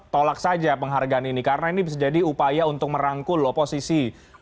tolak saja penghargaan ini karena ini bisa jadi upaya untuk merangkul oposisi